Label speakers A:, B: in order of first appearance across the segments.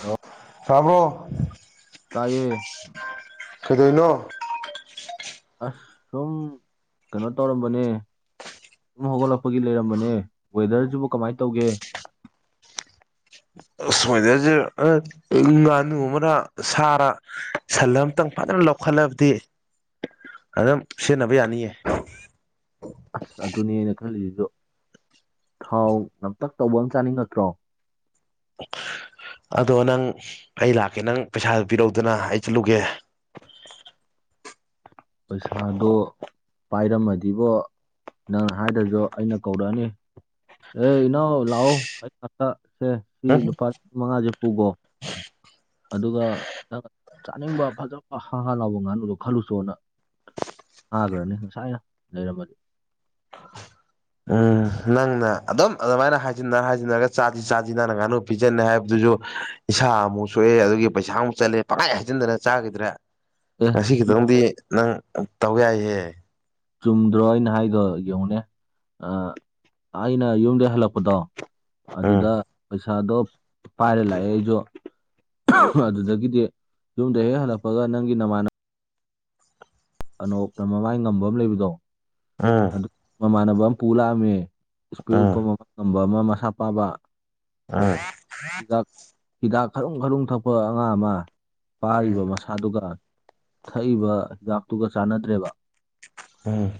A: hello
B: ꯔꯕꯣ
A: ꯇꯥꯏꯌꯦ
B: ꯀꯩꯗꯣꯏꯅꯣ
A: ꯑꯁ ꯁꯨꯝ ꯀꯩꯅꯣ ꯇꯧꯔꯝꯕꯅꯦ ꯑꯗꯨꯝ ꯍꯧꯒꯠꯂꯛꯄꯒꯤ ꯂꯩꯔꯝꯕꯅꯦ ꯋꯦꯗꯔꯁꯤꯕꯨ ꯀꯃꯥꯏꯅ ꯇꯧꯒꯦ
B: ꯁꯨꯃꯥꯏꯅꯁꯦ ꯉꯥꯅꯨ ꯑꯃꯅ ꯁꯥꯔ ꯁꯟ ꯑ ꯑꯃꯇꯪ ꯐꯖꯅ ꯂꯧꯈꯠꯂꯕꯗꯤ ꯑꯗꯨꯝ ꯁꯤꯖꯤꯟꯅꯕ ꯌꯥꯅꯤꯌꯦ
A: ꯑꯁ ꯑꯗꯨꯅꯦꯅ ꯈꯜꯂꯤꯁꯤꯁꯨ ꯊꯥꯎ ꯅꯝꯇꯛ ꯇꯧꯕ ꯑꯃ ꯆꯥꯅꯤꯡꯉꯠꯇ꯭ꯔꯣ
B: ꯑꯗꯣ ꯅꯪ ꯑꯩ ꯂꯥꯛꯀꯦ ꯅꯪ ꯄꯩꯁꯥꯗꯨ ꯄꯤꯔꯧꯗꯅ ꯑꯩ ꯆꯠꯂꯨꯒꯦ
A: ꯄꯩꯁꯥꯗꯨꯣ ꯄꯥꯏꯔꯝꯃꯗꯤꯕꯣ ꯅꯪ ꯍꯥꯏꯗꯁꯨ ꯑꯩꯅ ꯀꯧꯔꯛꯑꯅꯤ ꯑꯦ ꯏꯅꯥꯎ ꯂꯥꯛꯑꯣ ꯑꯩꯁꯦ ꯁꯤ ꯂꯨꯄꯥ ꯂꯤꯁꯤꯡ ꯃꯉꯥꯁꯦ ꯄꯨꯈꯣ ꯑꯗꯨꯒ ꯅꯪ ꯆꯥꯅꯤꯡꯕ ꯐꯖꯕ ꯍꯥ ꯍꯥ ꯂꯥꯎꯕ ꯉꯥꯅꯨꯗꯣ ꯈꯜꯂꯨꯁꯅ ꯊꯥꯈ꯭ꯔꯅꯤ ꯉꯁꯥꯏꯅ ꯂꯩꯔꯝꯃꯗꯤ
B: ꯎꯝ ꯅꯪꯅ ꯑꯗꯨꯝ ꯑꯗꯨꯃꯥꯏꯅ ꯍꯥꯏꯖꯤꯟꯅꯔ ꯍꯥꯏꯖꯤꯟꯅꯔꯒ ꯆꯥꯁꯤ ꯆꯥꯁꯤ ꯅꯪꯅ ꯉꯥꯅꯨ ꯄꯤꯖꯅꯤ ꯍꯥꯏꯕꯗꯨꯁꯨ ꯏꯁꯥ ꯑꯃꯨꯛ ꯁꯣꯛꯑꯦ ꯑꯗꯨꯒꯤ ꯄꯩꯁꯥꯃꯨꯛ ꯆꯠꯂꯦ ꯄꯪꯈꯥꯏ ꯍꯥꯏꯖꯤꯟꯗꯅ ꯆꯥꯈꯤꯗ꯭ꯔꯥ
A: ꯑꯦ
B: ꯉꯁꯤ ꯈꯤꯇꯪꯗꯤ ꯅꯪ ꯇꯧ ꯌꯥꯏꯍꯦ
A: ꯆꯨꯝꯗ꯭ꯔꯣ ꯑꯩꯅ ꯍꯥꯏꯗꯣ ꯌꯦꯡꯉꯨꯅꯦ ꯑ ꯑꯩꯅ ꯌꯨꯝꯗꯩ ꯍꯜꯂꯛꯄꯗꯣ
B: ꯎꯝ
A: ꯑꯗꯨꯗ ꯄꯩꯁꯥꯗꯣ ꯄꯥꯏꯔ ꯂꯥꯛꯑꯦ ꯑꯩꯁꯨ ꯑꯗꯨꯗꯒꯤꯗꯤ ꯌꯨꯝꯗ ꯍꯦꯛ ꯍꯜꯂꯛꯄꯒ ꯅꯪꯒꯤ ꯅꯃꯥꯟꯅ ꯑꯅꯣꯛꯅ ꯃꯃꯥꯏ ꯉꯝꯕ ꯑꯃ ꯂꯩꯕꯗꯣ
B: ꯎꯝ
A: ꯑꯗꯨ ꯃꯃꯥꯟꯅꯕ ꯑꯃ ꯄꯨ ꯂꯥꯛꯑꯝꯃꯦ ꯏꯁꯄꯦꯛ
B: ꯎꯝ
A: ꯎꯞꯄ [unintelligible] ꯉꯝꯕ ꯑꯃ ꯃꯁꯥ ꯄꯥꯕ
B: ꯑꯥ
A: ꯍꯤꯗꯥꯛ ꯍꯤꯗꯥꯛ ꯈꯔꯨꯡ ꯈꯔꯨꯡ ꯊꯛꯄ ꯑꯉꯥꯡ ꯑꯃ ꯄꯥꯔꯤꯕ ꯃꯁꯥ ꯁꯥꯗꯨꯒ ꯊꯛꯏꯕ ꯍꯤꯗꯥꯛꯇꯨꯒ ꯆꯥꯟꯅꯗ꯭ꯔꯦꯕ
B: ꯎꯝ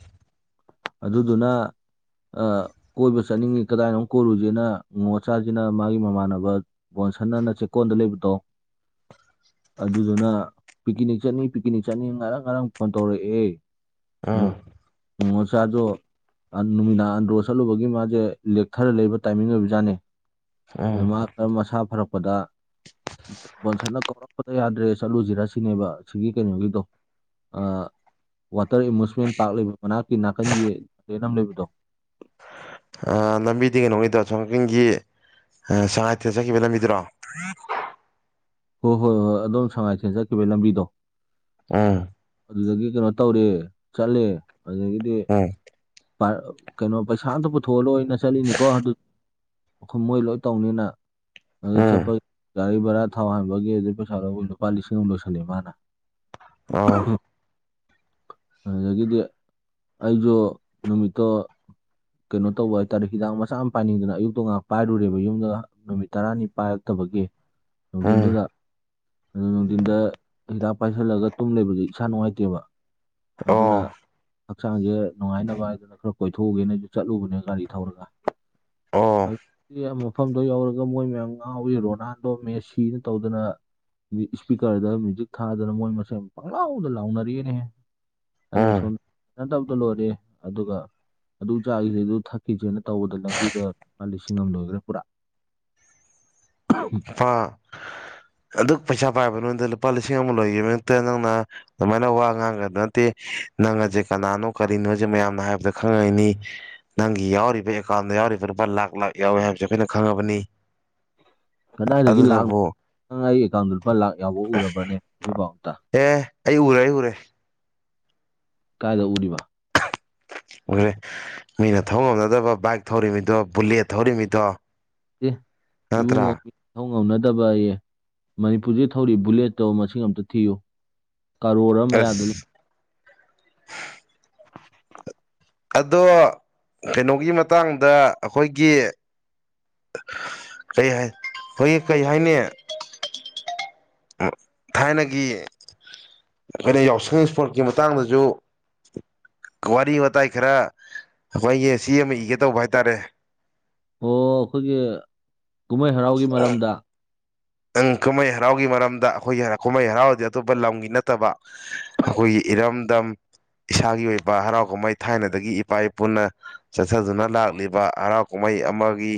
A: ꯑꯗꯨꯗꯨꯅ ꯑ ꯀꯣꯏꯕ ꯆꯠꯅꯤꯡꯉꯤ ꯀꯗꯥꯏꯅꯣꯃ ꯀꯣꯏꯔꯨꯁꯦꯅ ꯅꯉꯣꯆꯥꯁꯤꯅ ꯃꯥꯒꯤ ꯃꯃꯥꯟꯅ ꯕ ꯕꯣꯟꯁꯟ ꯑꯅ ꯆꯦꯛꯀꯣꯟꯗ ꯂꯩꯕꯗꯣ ꯑꯗꯨꯗꯨꯅ ꯄꯤꯀꯤꯅꯤꯛ ꯆꯠꯅꯤ ꯄꯤꯀꯤꯅꯤꯛ ꯆꯠꯅꯤ ꯉꯔꯪ ꯉꯔꯪ ꯐꯣꯟ ꯇꯧꯔꯛꯑꯦ ꯎ
B: ꯎꯝ ꯎꯝ
A: ꯉꯣꯉꯣꯆꯥꯗꯣ ꯑ ꯅꯨꯃꯤꯗꯥꯡ ꯑꯟꯗ꯭ꯔꯣ ꯆꯠꯂꯨꯕꯒꯤ ꯃꯥꯁꯦ ꯂꯦꯛꯊꯔ ꯂꯩꯕ ꯇꯥꯏꯃꯤꯡ ꯑꯣꯏꯕꯖꯥꯠꯅꯦ ꯑꯗꯣ
B: ꯎꯝ
A: ꯃꯥ ꯃꯁꯥ ꯐꯔꯛꯄꯗ ꯕꯣꯟꯁꯟꯅ ꯀꯧꯔꯛꯄꯗ ꯌꯥꯗ꯭ꯔꯦ ꯆꯠꯂꯨꯁꯤꯔ ꯁꯤꯅꯦꯕ ꯁꯤꯒꯤ ꯀꯩꯅꯣꯒꯤꯗꯣ ꯑ ꯋꯥꯇꯔ ꯑꯦꯃꯨꯁꯃꯦꯟ ꯄꯥꯔꯛ ꯂꯩꯕ ꯃꯅꯥꯛꯀꯤ ꯅꯥꯀꯟꯒꯤ [unintelligible] ꯑꯃ ꯂꯩꯕꯗꯣ
B: ꯑ ꯂꯝꯕꯤꯗꯤ ꯀꯩꯅꯣꯒꯤꯗꯣ ꯑꯁꯣꯝ ꯅꯥꯀꯟꯒꯤ ꯑ ꯁꯉꯥꯏꯊꯦꯜ ꯆꯠꯈꯤꯕ ꯂꯝꯕꯤꯗꯨꯔꯣ
A: ꯍꯣꯏ ꯍꯣꯏ ꯍꯣꯏ ꯑꯗꯣꯝ ꯁꯉꯥꯏꯊꯦꯟ ꯆꯠꯈꯤꯕ ꯂꯝꯕꯤꯗꯣ
B: ꯎꯝ
A: ꯑꯗꯨꯗꯒꯤ ꯀꯩꯅꯣ ꯇꯧꯔꯦ ꯆꯠꯂꯦ ꯑꯗꯒꯤꯗꯤ
B: ꯎꯝ
A: [unintelligible] ꯀꯩꯅꯣ ꯄꯩꯁꯥ ꯑꯝꯇ ꯄꯨꯊꯣꯛꯍꯜꯂꯣꯏꯅ ꯆꯠꯂꯤꯅꯤꯀꯣ ꯑꯗꯨ ꯑꯩꯈꯣꯏ ꯂꯣꯏ ꯇꯧꯅꯤꯅ ꯑꯗꯨ
B: ꯎꯝ
A: ꯆꯠꯄꯒꯤ ꯒꯥꯔꯤ ꯚꯔꯥ ꯊꯥꯎ ꯍꯥꯟꯕꯒꯤ ꯑꯗꯨꯗꯩ ꯄꯩꯁꯥ ꯂꯧꯕꯩ ꯂꯨꯄꯥ ꯂꯤꯁꯤꯡ ꯑꯃ ꯂꯣꯏꯁꯜꯂꯦ ꯃꯥꯅ
B: ꯑꯣ
A: ꯑꯗꯒꯤꯗꯤ ꯑꯩꯁꯨ ꯅꯨꯃꯤꯠꯇꯣ ꯀꯩꯅꯣ ꯇꯧꯕ ꯍꯥꯏꯇꯥꯔꯦ ꯍꯤꯗꯥꯛ ꯃꯆꯥ ꯑꯃ ꯄꯥꯏꯅꯤꯡꯗꯅ ꯑꯌꯨꯛꯇꯣ ꯉꯥꯏꯍꯥꯛ ꯄꯥꯏꯔꯨꯔꯦꯕ ꯌꯨꯝꯗꯒ ꯅꯨꯃꯤꯠ ꯇꯔꯥꯅꯤ ꯄꯥꯏꯔꯛꯇꯕꯒꯤ
B: ꯎꯝ
A: ꯅꯨꯡꯊꯤꯟꯗꯨꯗ ꯑꯗꯨ ꯅꯨꯡꯊꯤꯟꯗ ꯍꯤꯗꯥꯛ ꯄꯥꯏꯁꯤꯜꯂꯒ ꯇꯨꯝ ꯂꯩꯕꯗꯤ ꯏꯁꯥ ꯅꯨꯡꯉꯥꯏꯇꯦꯕ ꯑꯗꯨꯅ
B: ꯑꯣ
A: ꯍꯛꯆꯥꯡꯁꯦ ꯅꯨꯡꯉꯥꯏꯅ ꯕ ꯍꯥꯏꯗꯅ ꯈꯔ ꯀꯣꯏꯊꯣꯛꯎꯒꯦꯅ ꯑꯩꯁꯨ ꯆꯠꯂꯨꯕꯅꯦ ꯒꯥꯔꯤ ꯊꯧꯔꯒ
B: ꯑꯣ
A: ꯑꯗꯨꯒꯤ ꯃꯐꯝꯗꯣ ꯌꯧꯔꯒ ꯃꯣꯏ ꯃꯌꯥꯝ ꯉꯥꯎꯋꯤ ꯔꯣꯅꯥꯜꯗꯣ ꯃꯦꯁꯤꯅ ꯇꯧꯗꯅ ꯏꯁꯄꯤꯀꯔꯗ ꯃ꯭ꯌꯨꯖꯤꯛ ꯊꯥꯗꯅ ꯃꯣꯏ ꯃꯁꯦꯟ ꯄꯪꯂꯥꯎꯗ ꯂꯥꯎꯅꯔꯛꯑꯦꯅꯦꯍꯦ ꯑꯩꯅ
B: ꯎꯝ
A: ꯁꯣꯝꯗ ꯍꯩꯅꯗꯕꯗ ꯂꯣꯏꯔꯦ ꯑꯗꯨꯒ ꯑꯗꯨ ꯆꯥꯈꯤꯁꯦ ꯑꯗꯨ ꯊꯛꯀꯤꯁꯦꯅ ꯇꯧꯕꯗ ꯂꯝꯕꯤꯗ ꯂꯄꯥ ꯂꯤꯁꯤꯡ ꯑꯃ ꯂꯣꯏꯈ꯭ꯔꯦ ꯄꯨꯔꯥ [unintelligible]
B: ꯐꯥ ꯑꯗꯨꯛ ꯄꯩꯁꯥ ꯄꯥꯏꯕ ꯅꯉꯣꯟꯗ ꯂꯨꯄꯥ ꯂꯤꯁꯤꯡ ꯑꯃ ꯂꯣꯏꯒꯤꯕ ꯅꯠꯇꯦ ꯅꯪꯅ ꯑꯗꯨꯃꯥꯏꯅ ꯋꯥ ꯉꯥꯡꯒꯗꯕ ꯅꯠꯇꯦ ꯅꯪ ꯑꯖꯦ ꯀꯅꯥꯅꯣ ꯀꯔꯤꯅꯣꯖꯦ ꯃꯌꯥꯝꯅ ꯍꯥꯏꯕꯗ ꯈꯪꯉꯩꯅꯤ ꯅꯪꯒꯤ ꯌꯥꯎꯔꯤꯕ ꯑꯦꯀꯥꯎꯟꯗ ꯌꯥꯎꯔꯤꯕ ꯂꯨꯄꯥ ꯂꯥꯛ ꯂꯥꯛ ꯌꯥꯎꯋꯦ ꯍꯥꯏꯕꯁꯦ ꯑꯩꯈꯣꯏꯅ ꯈꯪꯉꯕꯅꯤ
A: ꯀꯗꯥꯏꯗꯒꯤ ꯂꯥꯛꯅꯣ
B: ꯑꯗꯨꯅꯕꯨ
A: ꯅꯪ ꯑꯩ ꯑꯦꯀꯥꯎꯟꯗ ꯂꯨꯄꯥ ꯂꯥꯛ ꯌꯥꯎꯕ ꯎꯔꯕ꯭ꯔꯅꯦ ꯉꯁꯤꯕꯥꯥꯎꯇ
B: ꯑꯦ ꯑꯩ ꯎꯔꯦ ꯑꯩ ꯎꯔꯦ
A: ꯀꯥꯏꯗ ꯎꯔꯤꯕ
B: ꯎꯔꯦ ꯃꯤꯅ ꯊꯧ ꯉꯝꯅꯗꯕ ꯕꯥꯏꯛ ꯊꯧꯔꯤꯃꯤꯗꯣ ꯕꯨꯂꯦꯠ ꯊꯧꯔꯤꯃꯤꯗꯣ
A: ꯑꯦ ꯏꯕꯨꯡꯉꯣ
B: ꯅꯠꯇ꯭ꯔꯥ
A: ꯃꯤ ꯊꯧ ꯉꯝꯅꯗꯕ ꯑꯩꯌꯦ ꯃꯅꯤꯄꯨꯔꯖꯤ ꯊꯧꯔꯤ ꯕꯨꯂꯦꯠꯇꯣ ꯃꯁꯤꯡ ꯑꯝꯇ ꯊꯤꯌꯨ ꯀꯔꯣꯔ ꯑꯃꯌꯥꯗ
B: ꯑꯁ
A: ꯂꯩ [unintelligible]
B: ꯑꯗꯣ ꯀꯩꯅꯣꯒꯤ ꯃꯇꯥꯡꯗ ꯑꯩꯈꯣꯏꯒꯤ ꯀꯩ ꯍꯥꯏ ꯑꯈꯣꯏꯒꯤ ꯀꯩ ꯍꯥꯏꯅꯤ ꯊꯥꯏꯅꯒꯤ ꯑꯩꯈꯣꯏꯅ ꯌꯥꯎꯁꯪ ꯏꯁꯄꯣꯔꯠꯀꯤ ꯃꯇꯥꯡꯗꯁꯨ ꯋꯥꯔꯤ ꯋꯥꯇꯥꯏ ꯈꯔ ꯑꯩꯈꯣꯏꯒꯤ ꯆꯦ ꯑꯃ ꯏꯒꯦ ꯇꯧꯕ ꯍꯥꯏꯇꯥꯔꯦ
A: ꯑꯣ ꯑꯩꯈꯣꯏꯒꯤ ꯀꯨꯝꯍꯩ ꯍꯔꯥꯎꯒꯤ ꯃꯔꯝꯗ
B: ꯑꯪ ꯀꯨꯝꯍꯩ ꯍꯔꯥꯎꯒꯤ ꯃꯔꯝꯗ ꯑꯩꯈꯣꯏꯒꯤ ꯀꯨꯝꯍꯩ ꯍꯔꯥꯎꯗꯤ ꯑꯇꯣꯞꯄ ꯂꯝꯒꯤ ꯅꯠꯇꯕ ꯑꯩꯈꯣꯏꯒꯤ ꯏꯔꯝꯗꯝ ꯏꯁꯥꯒꯤ ꯑꯣꯏꯕ ꯍꯔꯥꯎ ꯀꯨꯝꯍꯩ ꯊꯥꯏꯅꯗꯒꯤ ꯏꯄꯥ ꯏꯄꯨꯅ ꯆꯠꯊꯗꯨꯅ ꯂꯥꯛꯂꯤꯕ ꯍꯔꯥꯎ ꯀꯨꯝꯍꯩ ꯑꯃꯒꯤ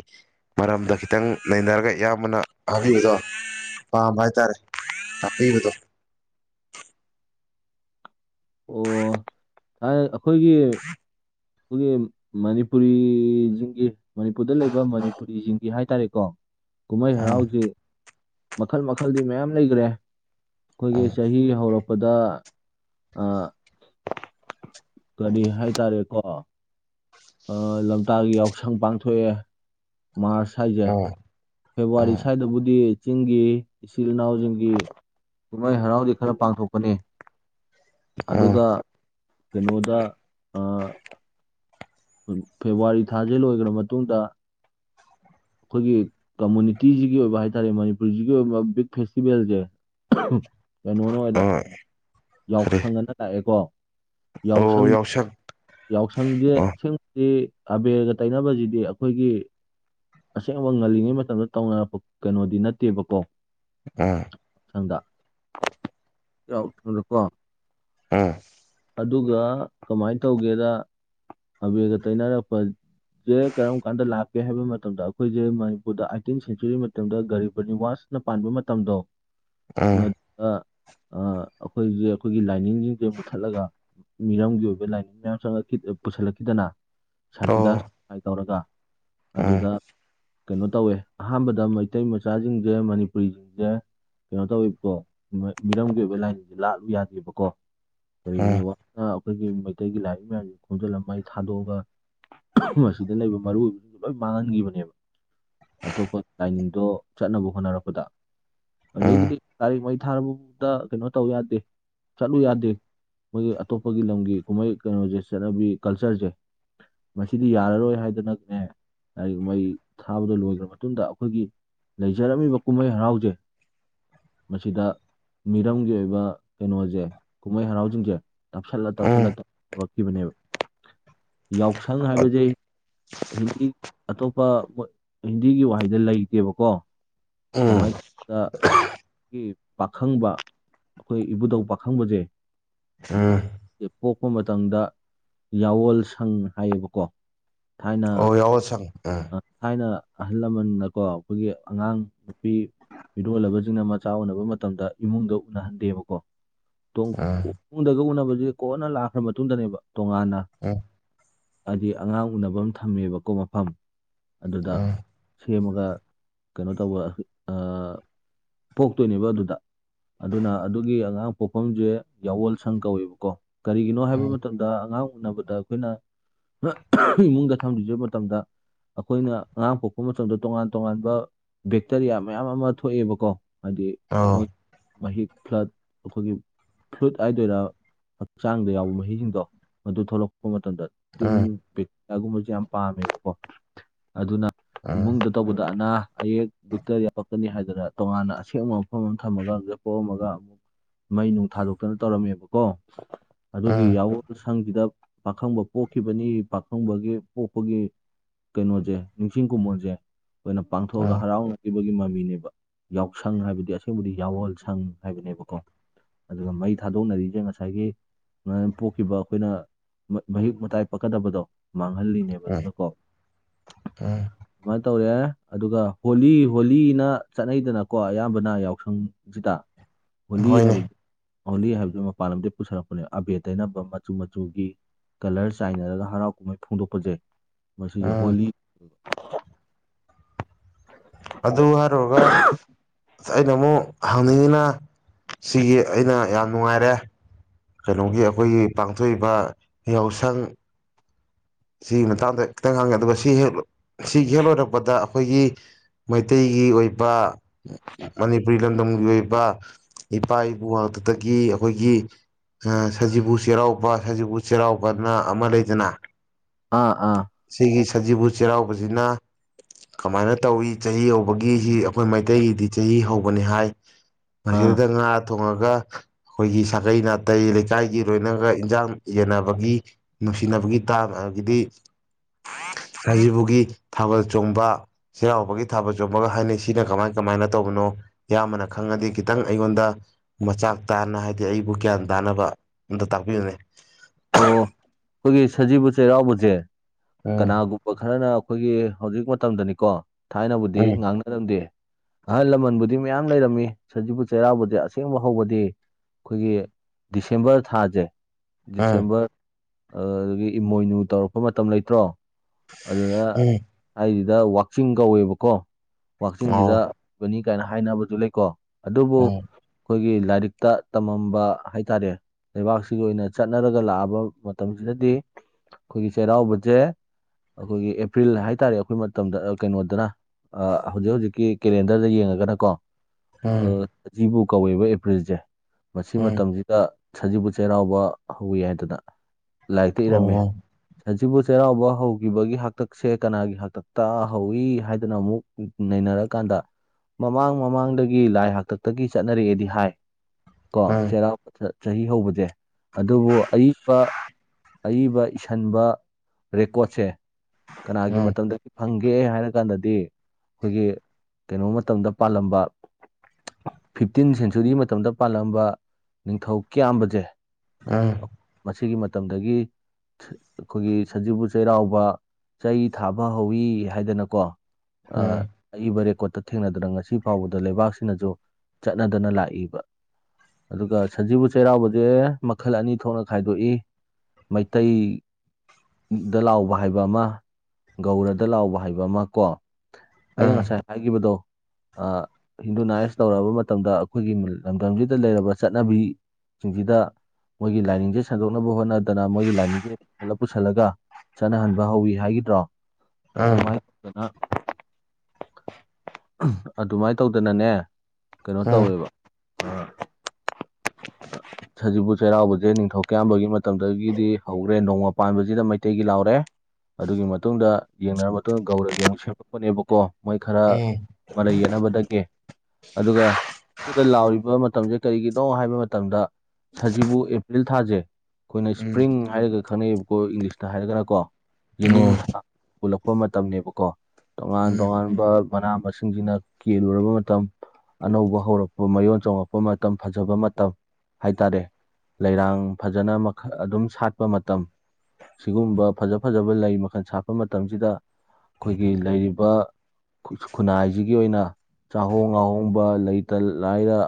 B: ꯃꯔꯝꯗ ꯈꯤꯇꯪ ꯅꯩꯅꯔꯒ ꯏꯌꯥꯝꯕꯅ ꯍꯥꯏꯕꯤꯕꯗꯣ ꯄꯥꯝꯕ ꯍꯥꯏꯇꯥꯔꯦ ꯇꯥꯛꯄꯤꯕꯗꯣ
A: ꯑꯣ ꯑꯩꯈꯣꯏꯒꯤ ꯑꯩꯈꯣꯏꯒꯤ ꯃꯅꯤꯄꯨꯔꯤꯁꯤꯡꯒꯤ ꯃꯅꯤꯄꯨꯔꯗ ꯂꯩꯕ ꯃꯅꯤꯄꯨꯔꯤꯁꯤꯡꯒꯤ ꯍꯥꯏꯇꯥꯔꯦꯀꯣ ꯀꯨꯝꯍꯩ
B: ꯎꯝ
A: ꯍꯔꯥꯎꯖꯦ ꯃꯈꯜ ꯃꯈꯜꯗꯤ ꯃꯌꯥꯝ ꯂꯩꯈ꯭ꯔꯦ ꯑꯩꯈꯣꯏꯒꯤ
B: ꯎꯝ
A: ꯆꯍꯤ ꯍꯧꯔꯛꯄꯗ ꯑꯥ ꯀꯔꯤ ꯍꯥꯏꯇꯥꯔꯦꯀꯣ ꯂꯝꯇꯥꯒꯤ ꯌꯥꯎꯁꯪ ꯄꯥꯡꯊꯣꯛꯑꯦ ꯃꯥꯔꯁ ꯍꯥꯏꯁꯦ
B: ꯎꯝ
A: ꯐꯦꯕꯋꯥꯔꯤ
B: ꯎꯝ
A: ꯁ꯭ꯋꯥꯏꯗꯕꯨꯗꯤ ꯆꯤꯡꯒꯤ ꯏꯆꯤꯜ ꯏꯅꯥꯎꯁꯤꯡꯒꯤ ꯀꯨꯝꯍꯩ ꯍꯔꯥꯎꯗꯤ ꯈꯔ ꯄꯥꯡꯊꯣꯛꯄꯅꯤ
B: ꯑꯥ
A: ꯑꯗꯨꯒ ꯀꯩꯅꯣꯗ ꯑꯥ ꯐꯦꯕꯋꯥꯔꯤ ꯊꯥꯖꯦ ꯂꯣꯏꯒ꯭ꯔ ꯃꯇꯨꯡꯗ ꯑꯩꯈꯣꯏꯒꯤ ꯀꯝꯃꯨꯅꯤꯇꯤꯁꯤꯒꯤ ꯑꯣꯏꯕ ꯍꯥꯏꯇꯥꯔꯦ ꯃꯅꯤꯄꯨꯔꯁꯤꯒꯤ ꯑꯣꯏꯕ ꯕꯤꯛ ꯐꯦꯁꯇꯤꯚꯦꯜꯁꯦ ꯀꯩꯅꯣꯅ ꯑꯣꯏꯔꯦ
B: ꯑꯥ ꯀꯔꯤ
A: ꯌꯥꯎꯁꯪꯉꯅ ꯂꯥꯛꯑꯦꯀꯣ ꯌꯥꯎꯁꯪ ꯌꯥꯎꯁꯪꯖꯦ
B: ꯑꯣ
A: ꯑꯁꯦꯡꯕꯗꯤ ꯑꯕꯦꯔꯒ ꯇꯩꯅꯕꯖꯤꯗꯤ ꯑꯩꯈꯣꯏꯒꯤ ꯑꯁꯦꯡꯕ ꯉꯜꯂꯤꯉꯩ ꯃꯇꯝꯗ ꯇꯧꯅꯔꯛꯄ ꯀꯩꯅꯣꯗꯤ ꯅꯠꯇꯦꯕꯀꯣ
B: ꯑꯥ
A: ꯃꯊꯪꯗ ꯆꯩꯔꯥꯎꯕꯒꯗꯣꯀꯣ
B: ꯑꯥ
A: ꯑꯗꯨꯒ ꯀꯃꯥꯏꯟ ꯇꯧꯒꯦꯗ ꯑꯕꯦꯔꯒ ꯇꯩꯅꯔꯛꯄ ꯁꯦ ꯀꯔꯝ ꯀꯥꯟꯗ ꯂꯥꯛꯀꯦ ꯍꯥꯏꯕ ꯃꯇꯝꯗ ꯑꯩꯈꯣꯏꯁꯦ ꯃꯅꯤꯄꯨꯔꯗ ꯑꯥꯏꯇꯤꯟ ꯁꯦꯟꯆꯨꯔꯤ ꯃꯇꯝꯗ ꯒꯔꯤꯕꯅꯤꯋꯥꯖ ꯅ ꯄꯥꯟꯕ ꯃꯇꯝꯗꯣ
B: ꯑꯥ
A: ꯃꯗꯨ ꯑ ꯑꯩꯈꯣꯏꯖꯦ ꯑꯩꯈꯣꯏꯒꯤ ꯂꯥꯏꯅꯤꯡꯖꯤꯡꯖꯦ ꯃꯨꯠꯊꯠꯂꯒ ꯃꯤꯔꯝꯒꯤ ꯑꯣꯏꯕ ꯂꯥꯏꯅꯤꯡ ꯃꯌꯥꯝ ꯆꯪꯂꯛꯈꯤ ꯄꯨꯁꯤꯜꯂꯛ ꯁꯤꯗꯅ
B: ꯑꯣ
A: ꯁꯥꯟꯇꯤꯗꯥꯁ ꯒꯣꯁꯥꯏ ꯇꯧꯔꯒ
B: ꯑꯥ
A: ꯑꯗꯨꯗ ꯀꯩꯅꯣ ꯇꯧꯋꯦ ꯑꯍꯥꯟꯕꯗ ꯃꯩꯇꯩ ꯃꯆꯥꯖꯤꯡꯖꯦ ꯃꯅꯤꯄꯨꯔꯤꯁꯤꯡꯖꯦ ꯀꯩꯅꯣ ꯇꯧꯋꯦꯕꯀꯣ ꯃꯤꯔꯝꯒꯤ ꯑꯣꯏꯕ ꯂꯥꯏꯅꯤꯡꯖꯦ ꯂꯥꯠꯂꯨ ꯌꯥꯗꯦꯕꯀꯣ ꯒꯔꯤꯕꯅꯤꯋꯥꯖꯅ ꯑꯩꯈꯣꯏꯒꯤ ꯃꯩꯇꯩꯒꯤ ꯂꯥꯏꯔꯤꯛ ꯃꯌꯥꯝꯁꯤ ꯈꯣꯝꯖꯤꯜꯂ ꯃꯩ ꯊꯥꯗꯣꯛꯑꯒ ꯃꯁꯤꯗ ꯂꯩꯕ ꯃꯔꯨ ꯑꯣꯏꯕꯁꯤꯡꯗꯨ ꯂꯣꯏ ꯃꯥꯡꯍꯟꯒꯤꯕꯅꯦꯕ ꯑꯇꯣꯞꯄ ꯂꯥꯏꯅꯤꯡꯗꯣ ꯆꯠꯅꯕ ꯍꯣꯠꯅꯔꯛꯄꯗ
B: ꯑꯥ
A: ꯑꯗꯨꯗꯒꯤꯗꯤ ꯂꯥꯏꯔꯤꯛ ꯃꯩ ꯊꯥꯔꯕꯗ ꯀꯩꯅꯣ ꯇꯧ ꯌꯥꯗꯦ ꯆꯠꯂꯨ ꯌꯥꯗꯦ ꯃꯣꯏꯒꯤ ꯑꯇꯣꯞꯄꯒꯤ ꯂꯝꯒꯤ ꯀꯨꯝꯍꯩ ꯀꯩꯅꯣꯁꯦ ꯆꯠꯅꯕꯤ ꯀꯜꯆꯔꯁꯦ ꯃꯁꯤꯗꯤ ꯌꯥꯔꯔꯣꯏ ꯍꯥꯏꯗꯅꯅꯦ ꯂꯥꯏꯔꯤꯛ ꯃꯩ ꯊꯥꯕꯗꯣ ꯂꯣꯏꯈ꯭ꯔ ꯃꯇꯨꯡꯗ ꯑꯩꯈꯣꯏꯒꯤ ꯂꯩꯖꯔꯝꯃꯤꯕ ꯀꯨꯝꯍꯩ ꯍꯔꯥꯎꯖꯦ ꯃꯁꯤꯗ ꯃꯤꯔꯝꯒꯤ ꯑꯣꯏꯕ ꯀꯩꯅꯣꯁꯦ ꯀꯨꯝꯍꯩ ꯍꯔꯥꯎꯁꯤꯡꯁꯦ ꯇꯞꯁꯤꯜꯂ
B: ꯑꯥ
A: ꯇꯞꯁꯤꯜꯂ ꯇꯧꯔꯛꯈꯤꯕꯅꯦꯕ ꯌꯥꯎꯁꯪ ꯍꯥꯏꯕꯁꯦ ꯍꯤꯟꯗꯤ ꯑꯇꯣꯞꯄ ꯍꯤꯟꯗꯤꯒꯤ ꯋꯥꯍꯩꯗ ꯂꯩꯇꯦꯕꯀꯣ
B: ꯎꯝ ꯎꯝ
A: ꯀꯃꯥꯏꯅ ꯇ ꯒꯤ ꯄꯥꯈꯪꯕ ꯑꯩꯈꯣꯏ ꯏꯕꯨꯗꯧ ꯄꯥꯈꯪꯕꯁꯦ
B: ꯎꯝ
A: ꯄꯣꯛꯄ ꯃꯇꯝꯗ ꯌꯥꯑꯣꯜꯁꯪ ꯍꯥꯏꯌꯦꯕꯀꯣ ꯊꯥꯏꯅ
B: ꯑꯣ ꯌꯥꯎꯁꯪ ꯎꯝ
A: ꯑ ꯊꯥꯏꯅ ꯑꯍꯜ ꯂꯃꯟꯅꯀꯣ ꯑꯩꯈꯣꯏꯒꯤ ꯑꯉꯥꯡ ꯅꯨꯄꯤ ꯃꯤꯔꯣꯜꯂꯕꯁꯤꯡꯅ ꯃꯆꯥ ꯎꯅꯕ ꯃꯇꯝꯗ ꯏꯃꯨꯡꯗ ꯎꯅꯍꯟꯗꯦꯕꯀꯣ
B: ꯎꯝ
A: ꯑꯦꯃꯨꯡꯗꯒ ꯎꯅꯕꯁꯤ ꯀꯣꯟꯅ ꯂꯥꯛꯈ꯭ꯔ ꯃꯇꯨꯡꯗꯅꯦꯕ ꯇꯣꯉꯥꯟꯅ
B: ꯎꯝ
A: ꯍꯥꯏꯗꯤ ꯑꯉꯥꯡ ꯎꯅꯕꯝ ꯊꯝꯃꯦꯕꯀꯣ ꯃꯐꯝ ꯑꯗꯨꯗ
B: ꯎꯝ
A: ꯁꯦꯝꯃꯒ ꯀꯩꯅꯣ ꯇꯧꯕ ꯄꯣꯛꯇꯣꯏꯅꯦꯕ ꯑꯗꯨꯗ ꯑꯗꯨꯅ ꯑꯗꯨꯒꯤ ꯑꯉꯥꯡ ꯄꯣꯛꯐꯝꯁꯦ ꯌꯥꯋꯣꯜ ꯁꯪ ꯀꯧꯋꯦꯕꯀꯣ ꯀꯔꯤꯒꯤꯅꯣ ꯍꯥꯏꯕ
B: ꯎꯝ
A: ꯃꯇꯝꯗ ꯑꯉꯥꯡ ꯎꯅꯕꯗ ꯑꯩꯈꯣꯏꯅ ꯏꯃꯨꯡꯗ ꯊꯝꯗ꯭ꯁꯤꯕ ꯃꯇꯝꯗ ꯑꯩꯈꯣꯏꯅ ꯑꯉꯥꯡ ꯄꯣꯛꯄ ꯃꯇꯝꯗ ꯇꯣꯉꯥꯟ ꯇꯣꯉꯥꯟꯕ ꯕꯦꯛꯇꯔꯤꯌꯥ ꯃꯌꯥꯝ ꯑꯃ ꯊꯣꯛꯑꯦꯕꯀꯣ ꯍꯥꯏꯗꯤ
B: ꯑꯣ
A: ꯃꯣꯏ ꯃꯍꯤ ꯈ ꯑꯩꯈꯣꯏꯒꯤ [inaudible] ꯐ꯭ꯂꯨꯏꯠ ꯍꯥꯏꯗꯣꯏꯔꯥ ꯍꯛꯆꯥꯡꯗ ꯌꯥꯎꯕ ꯃꯍꯤꯁꯤꯡꯗꯣ ꯃꯗꯨ ꯊꯣꯛꯂꯛꯄ ꯃꯇꯝꯗ
B: ꯎꯝ
A: ꯇꯤꯟ
B: ꯎꯝ
A: ꯄꯤꯒꯨꯝꯕꯁꯦ ꯌꯥꯝ ꯄꯥꯝꯃꯦꯕꯀꯣ ꯑꯗꯨꯅ ꯏꯃꯨꯡꯗ ꯇꯧꯕꯗ ꯑꯅꯥ ꯑꯌꯦꯛ ꯕꯥꯇꯦꯔꯤꯌꯥ ꯌꯥꯎꯔꯛꯀꯅꯤ ꯍꯥꯏꯗꯅ ꯇꯣꯉꯥꯟꯅ ꯁꯦꯛꯕ ꯃꯐꯝ ꯑꯃ ꯊꯝꯃꯒ ꯑꯗꯨꯗꯥ ꯄꯣꯛꯑꯝꯃꯒ ꯑꯃꯨꯛ ꯃꯩ ꯅꯨꯡ ꯊꯥꯗꯣꯛꯇꯅ ꯇꯧꯔꯝꯃꯦꯕꯀꯣ
B: ꯎꯝ
A: ꯑꯗꯨꯒꯤ ꯌꯥꯑꯣꯜ ꯁꯪꯁꯤꯗ ꯄꯥꯈꯪꯕ ꯄꯣꯛꯈꯤꯕꯅꯤ ꯄꯥꯈꯪꯕꯒꯤ ꯄꯣꯛꯄꯒꯤ ꯀꯩꯅꯣꯁꯦ ꯅꯤꯡꯁꯤꯡ ꯀꯨꯝꯃꯣꯟꯁꯦ ꯑꯩꯈꯣꯏꯅ
B: ꯎꯝ
A: ꯄꯥꯡꯊꯣꯛꯑꯒ ꯍꯔꯥꯎꯅꯈꯤꯕꯒꯤ ꯃꯃꯤꯅꯦꯕ ꯁꯪ ꯍꯥꯏꯕꯗꯤ ꯑꯁꯦꯡꯕꯗꯤ ꯌꯥꯋꯜ ꯁꯪ ꯍꯥꯏꯕꯅꯦꯕꯀꯣ ꯑꯗꯨꯒ ꯃꯩ ꯊꯥꯗꯣꯛꯅꯔꯤꯁꯦ ꯉꯁꯥꯏꯒꯤ ꯅ ꯄꯣꯛꯈꯤꯕ ꯑꯩꯈꯣꯏꯅ ꯃꯍꯤꯛ ꯃꯇꯥꯏ ꯄꯛꯀꯗꯕꯗꯣ ꯃꯥꯡꯍꯜꯂꯤꯅꯦꯕ
B: ꯎꯝ
A: ꯑꯗꯨꯅꯀꯣ
B: ꯎꯝ
A: ꯑꯗꯨꯃꯥꯏꯅ ꯇꯧꯔꯦ ꯑꯗꯨꯒ ꯍꯣꯂꯤ ꯍꯣꯂꯤꯅ ꯆꯠꯅꯩꯗꯅ ꯀꯣ ꯑꯌꯥꯝꯕꯅ ꯌꯥꯎꯁꯪꯁꯤꯗ ꯍꯣꯂꯤ
B: ꯍꯣꯏꯅꯦ
A: ꯍꯥꯏꯕ ꯑꯣꯂꯤ ꯍꯥꯏꯕꯗꯨ ꯃꯄꯥꯟ ꯂꯝꯗꯒꯤ ꯄꯨꯁꯜꯂꯛꯄꯅꯦ ꯑꯕꯦꯔ ꯇꯩꯅꯕ ꯃꯆꯨ ꯃꯆꯨꯒꯤ ꯀꯂꯔ ꯆꯥꯏꯅꯔꯒ ꯍꯔꯥꯎ ꯀꯨꯝꯍꯩ ꯐꯣꯡꯗꯣꯛꯄꯁꯦ ꯃꯁꯤꯁꯦ
B: ꯎꯝ
A: ꯍꯣꯂꯤ
B: ꯑꯗꯨ ꯍꯥꯏꯔꯨꯔꯒ ꯑꯩꯅ ꯑꯃꯨꯛ ꯍꯪꯅꯤꯡꯉꯤꯅ ꯁꯤꯒꯤ ꯑꯩꯅ ꯌꯥꯝ ꯅꯨꯡꯉꯥꯏꯔꯦ ꯀꯩꯅꯣꯒꯤ ꯑꯩꯈꯣꯏꯒꯤ ꯄꯥꯡꯊꯣꯛꯏꯕ ꯌꯥꯎꯁꯪ ꯁꯤꯒꯤ ꯃꯇꯥꯡꯗ ꯈꯤꯇꯪ ꯍꯥꯡꯉꯦ ꯑꯗꯨꯒ ꯁꯤ ꯍ ꯁꯤ ꯍꯦꯛ ꯂꯣꯏꯔꯛꯄꯗ ꯑꯩꯈꯣꯏꯒꯤ ꯃꯩꯇꯩꯒꯤ ꯑꯣꯏꯕ ꯃꯅꯤꯄꯨꯔꯤ ꯂꯝꯗꯝꯒꯤ ꯑꯣꯏꯕ ꯏꯄꯥ ꯏꯄꯨ ꯍꯥꯛꯇꯒꯤ ꯑꯩꯈꯣꯏꯒꯤ ꯁꯖꯤꯕꯨ ꯆꯩꯔꯥꯎꯕ ꯁꯖꯤꯕꯨ ꯆꯩꯔꯥꯎꯕꯅ ꯑꯃ ꯂꯩꯗꯅ
A: ꯑꯥ ꯑꯥ
B: ꯁꯤꯒꯤ ꯁꯖꯤꯕꯨ ꯆꯩꯔꯥꯎꯕꯁꯤꯅ ꯀꯃꯥꯏꯅ ꯇꯧꯋꯤ ꯆꯍꯤ ꯍꯧꯕꯒꯤꯁꯤ ꯑꯩꯈꯣꯏ ꯃꯩꯇꯩꯒꯤꯗꯤ ꯆꯍꯤ ꯍꯧꯕꯅꯤ ꯍꯥꯏ
A: ꯑꯥ
B: ꯃꯁꯤꯗ ꯉꯥ ꯊꯣꯡꯉꯒ ꯑꯩꯈꯣꯏꯒꯤ ꯁꯥꯒꯩ ꯅꯥꯇꯩ ꯂꯩꯀꯥꯏꯒꯤ ꯂꯣꯏꯅꯒ ꯏꯟꯖꯥꯡ ꯌꯦꯟꯅꯕꯒꯤ ꯅꯨꯡꯁꯤꯅꯕꯒꯤ ꯇꯥꯡ ꯑꯗꯤ ꯁꯖꯤꯕꯨꯒꯤ ꯊꯥꯕꯜ ꯆꯣꯡꯕ ꯆꯩꯔꯥꯎꯕꯒꯤ ꯊꯥꯕ ꯆꯨꯝꯃꯒ ꯍꯥꯏꯅꯩ ꯁꯤꯅ ꯀꯃꯥꯏ ꯀꯃꯥꯏꯅ ꯇꯧꯕꯅꯣ ꯌꯥꯝꯌꯥꯝꯕꯅ ꯈꯪꯉꯗꯤ ꯈꯤꯇꯪ ꯑꯩꯉꯣꯟꯗ ꯃꯆꯥꯛ ꯇꯥꯅ ꯍꯥꯏꯗꯤ ꯑꯩꯕꯨ ꯒ꯭ꯌꯥꯟ ꯇꯥꯅꯕ ꯑꯝꯇ ꯇꯥꯛꯄꯤꯌꯨꯅꯦ
A: ꯑꯣ ꯑꯩꯈꯣꯏꯒꯤ ꯁꯖꯤꯕꯨ ꯆꯩꯔꯥꯎꯕꯁꯦ
B: ꯎꯝ
A: ꯀꯅꯥꯒꯨꯝ ꯈꯔꯅ ꯑꯩꯈꯣꯏꯒꯤ ꯍꯧꯖꯤꯛ ꯃꯇꯝꯗꯅꯤꯀꯣ ꯊꯥꯏꯅꯕꯨꯗꯤ
B: ꯎꯝ
A: ꯉꯥꯡꯅ ꯃꯔꯝꯗꯤ ꯑꯍꯜ ꯂꯃꯟꯕꯨꯗꯤ ꯃꯌꯥꯝ ꯂꯩꯔꯝꯃꯤ ꯁꯖꯤꯕꯨ ꯆꯩꯔꯥꯎꯕꯗꯤ ꯑꯁꯦꯡꯕ ꯍꯧꯕꯗꯤ ꯑꯩꯈꯣꯏꯒꯤ ꯗꯤꯁꯦꯝꯕꯔ ꯊꯥꯁꯦ
B: ꯎꯝ
A: ꯗꯤꯁꯦꯝꯕꯔ ꯑꯗꯨꯗꯒꯤ ꯏꯃꯣꯏꯅꯨ ꯇꯧꯔꯛꯄ ꯃꯇꯝ ꯂꯩꯇ꯭ꯔꯣ ꯑꯗꯨꯗ
B: ꯎꯝ
A: ꯍꯥꯏꯁꯤꯗ ꯋꯥꯛꯆꯤꯡ ꯀꯧꯋꯦꯕꯀꯣ
B: ꯑꯣ
A: ꯋꯥꯛꯆꯤꯡꯁꯤꯗ ꯅꯤ ꯀꯥꯏꯅ ꯍꯥꯏꯅꯕꯁꯨ ꯂꯩꯀꯣ ꯑꯗꯨꯕꯨ
B: ꯎꯝ
A: ꯑꯩꯈꯣꯏꯒꯤ ꯂꯥꯏꯔꯤꯛꯇ ꯇꯝꯃꯝꯕ ꯍꯥꯏꯇꯥꯔꯦ ꯂꯩꯕꯥꯛꯁꯤꯒꯤ ꯑꯣꯏꯅ ꯆꯠꯅꯔꯒ ꯂꯥꯛꯑꯕ ꯃꯇꯝꯁꯤꯗꯗꯤ ꯑꯩꯈꯣꯏꯒꯤ ꯆꯩꯔꯥꯎꯕꯁꯦ ꯑꯩꯈꯣꯏꯒꯤ ꯑꯦꯄ꯭ꯔꯤꯜ ꯍꯥꯏꯇꯥꯔꯦ ꯑꯩꯈꯣꯏ ꯃꯇꯝꯗ ꯀꯩꯅꯣꯗꯅ ꯍꯧꯖꯤꯛ ꯍꯧꯖꯤꯛꯀꯤ ꯀꯦꯂꯦꯟꯗꯔꯗ ꯌꯦꯡꯉꯒꯅꯀꯣ
B: ꯎꯝ
A: ꯖꯤꯕꯨ ꯀꯧꯋꯦꯕ ꯑꯦꯄ꯭ꯔꯤꯜꯁꯦ ꯃꯁꯤ
B: ꯎꯝ
A: ꯃꯇꯝꯁꯤ ꯁꯖꯤꯕꯨ ꯆꯩꯔꯥꯎꯕ ꯍꯧꯋꯤ ꯍꯥꯏꯗꯅ ꯂꯥꯏꯔꯤꯛꯇ
B: ꯑꯣ
A: ꯏꯔꯝꯃꯦ
B: ꯎꯝ
A: ꯁꯖꯤꯕꯨ ꯆꯩꯔꯥꯎꯕ ꯍꯧꯈꯤꯕꯒꯤ ꯍꯥꯛꯇꯛꯁꯦ ꯀꯅꯥꯒꯤ ꯍꯥꯛꯇꯛꯇ ꯍꯧꯋ ꯍꯥꯏꯗꯅ ꯑꯃꯨꯛ ꯅꯩꯅꯔꯀꯥꯟꯗ ꯃꯃꯥꯡ ꯃꯃꯥꯡꯗꯒꯤ ꯂꯥꯏ ꯍꯥꯛꯇꯛꯇꯒꯤ ꯆꯠꯅꯔꯛꯑꯦꯗꯤ ꯍꯥꯏ ꯀꯣ
B: ꯎꯝ
A: ꯆꯩꯔꯥꯎ ꯆꯍꯤ ꯍꯧꯕꯁꯦ ꯑꯗꯨꯕꯨ ꯑꯏꯄ ꯑꯏꯕ ꯏꯁꯟꯕ ꯔꯦꯀꯣꯠꯁꯦ
B: ꯎꯝ ꯎꯝ ꯎꯝ
A: ꯀꯅꯥꯒꯤ ꯃꯇꯝꯗꯒꯤ ꯐꯪꯒꯦ ꯍꯥꯏꯔ ꯀꯥꯟꯗꯗꯤ ꯑꯩꯈꯣꯏꯒꯤ ꯀꯩꯅꯣ ꯃꯇꯝꯗ ꯄꯥꯜꯂꯝꯕ ꯐꯤꯞꯇꯤꯟ ꯁꯦꯟꯆꯨꯔꯤ ꯃꯇꯝꯗ ꯄꯥꯜꯂꯝꯕ ꯅꯤꯡꯊꯧ ꯀꯌꯥꯝꯕꯁꯦ
B: ꯎꯝ
A: ꯃꯁꯤꯒꯤ ꯃꯇꯝꯗꯒꯤ ꯑꯩꯈꯣꯏꯒꯤ ꯁꯟꯖꯤꯕꯨ ꯆꯩꯔꯥꯎꯕ ꯆꯩ ꯊꯥꯕ ꯍꯧꯋ ꯍꯥꯏꯗꯅꯀꯣ
B: ꯎꯝ
A: ꯑ ꯑꯏꯕ ꯔꯦꯀꯣꯔꯠꯇ ꯊꯦꯡꯅꯗꯅ ꯉꯁꯤ ꯐꯥꯎꯕꯗ ꯂꯩꯕꯥꯛꯁꯤꯅꯁꯨ ꯆꯠꯅꯗꯅ ꯂꯥꯛꯏꯕ ꯑꯗꯨꯒ ꯁꯟꯖꯤꯕꯨ ꯆꯩꯔꯥꯎꯕꯗꯤ ꯃꯈꯜ ꯑꯅꯤ ꯊꯣꯛꯅ ꯈꯥꯏꯗꯣꯛꯏ ꯃꯩꯇꯩ ꯗ ꯂꯥꯎꯕ ꯍꯥꯏꯕ ꯑꯃ ꯒꯧꯔꯗ ꯂꯥꯎꯕ ꯍꯥꯏꯕ ꯑꯃ ꯀꯣ ꯑꯩꯅ ꯉꯁꯥꯏ ꯍꯥꯏꯈꯤꯕꯗꯣ ꯍꯤꯟꯗꯨꯅꯥꯏꯁ ꯇꯧꯔꯛꯑꯔꯕ ꯃꯇꯝꯗ ꯑꯩꯈꯣꯏꯒꯤ ꯂꯝꯗꯝꯁꯤꯗ ꯂꯩꯔꯕ ꯆꯠꯅꯕꯤ ꯁꯤꯡꯁꯤꯗ ꯃꯣꯏꯒꯤ ꯂꯥꯏꯅꯤꯡꯁꯦ ꯁꯟꯗꯣꯛꯅꯕ ꯍꯣꯠꯅꯗꯅ ꯃꯣꯏꯒꯤ ꯂꯥꯏꯅꯤꯡꯁꯦ ꯄꯨꯁꯜꯂ ꯄꯨꯁꯜꯂꯒ ꯆꯠꯅꯍꯟꯕ ꯍꯧꯋꯤ ꯍꯥꯏꯒꯗ꯭ꯔꯣ
B: ꯎꯝ
A: ꯑꯗꯨꯃꯥꯏꯅ ꯇꯧꯗꯅ ꯑꯗꯨꯃꯥꯏꯅ ꯇꯧꯗꯅꯅꯦ ꯀꯩꯅꯣ ꯇꯧꯋꯦꯕ ꯑ ꯁꯖꯤꯕꯨ ꯆꯩꯔꯥꯎꯕꯁꯦ ꯅꯤꯡꯊꯧꯀꯌꯥꯝꯕꯒꯤ ꯃꯇꯝꯗꯒꯤꯗꯤ ꯍꯧꯈ꯭ꯔꯦ ꯅꯣꯡꯃ ꯄꯥꯟꯕꯁꯤꯗ ꯃꯩꯇꯩꯒꯤ ꯂꯥꯎꯔꯦ ꯑꯗꯨꯒꯤ ꯃꯇꯨꯡꯗ ꯌꯦꯡꯅꯔꯕ ꯃꯇꯨꯡꯗ ꯒꯧꯔꯒꯤ ꯑꯃꯨꯛ ꯁꯦꯝꯂꯛꯄꯅꯦꯕꯀꯣ ꯃꯣꯏ ꯈꯔ ꯃꯥꯅ ꯌꯦꯅꯕꯗꯗꯒꯤ ꯑꯗꯨꯒ ꯑꯩꯗ ꯂꯥꯎꯔꯤꯕ ꯃꯇꯝꯁꯦ ꯀꯔꯤꯒꯤꯅꯣ ꯍꯥꯏꯕ ꯃꯇꯝꯗ ꯁꯥꯖꯤꯕꯨ ꯑꯦꯄ꯭ꯔꯤꯜ ꯊꯥꯁꯦ ꯑꯩꯈꯣꯏꯅ
B: ꯎꯝ
A: ꯏꯁꯄ꯭ꯔꯤꯡ ꯍꯥꯏꯔꯒ ꯈꯪꯅꯩꯌꯦꯕꯀꯣ ꯏꯪꯂꯤꯁꯇ ꯍꯥꯏꯔꯒꯅꯀꯣ
B: ꯑꯣ
A: ꯌꯦꯅꯤꯡꯊ ꯄꯨꯂꯛꯄ ꯃꯇꯝꯅꯦꯕꯀꯣ ꯇꯣꯉꯥꯟ
B: ꯎꯝ
A: ꯇꯣꯉꯥꯟꯕ ꯃꯅꯥ ꯃꯁꯤꯡꯁꯤꯅ ꯀꯦꯜꯂꯨꯔꯕ ꯃꯇꯝ ꯑꯅꯧꯕ ꯍꯧꯔꯛꯄ ꯃꯌꯣꯟꯜ ꯆꯣꯉꯛꯄ ꯃꯇꯝ ꯐꯖꯕ ꯃꯇꯝ ꯍꯥꯏꯇꯥꯔꯦ ꯂꯩꯔꯥꯡ ꯐꯖꯅ ꯑꯗꯨꯝ ꯁꯥꯠꯄ ꯃꯇꯝ ꯁꯤꯒꯨꯝꯕ ꯐꯖ ꯐꯖꯕ ꯂꯩ ꯃꯈꯜ ꯁꯥꯄ ꯃꯇꯝꯁꯤꯗ ꯑꯩꯈꯣꯏꯒꯤ ꯂꯩꯔꯤꯕ ꯈꯨꯟꯅꯥꯏꯁꯤꯒꯤ ꯑꯣꯏꯅ ꯆꯥꯍꯣꯡ ꯉꯥꯍꯣꯡꯕ ꯂꯩꯇ ꯂꯥꯏꯔ